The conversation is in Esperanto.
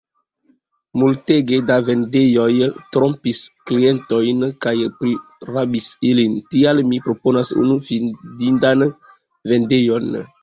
Multege da vendejoj trompis klientojn kaj prirabis ilin, tial mi proponas unu fidindan vendejon.